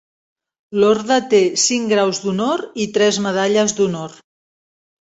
L'Orde té cinc graus d'honor i tres de medalles d'honor.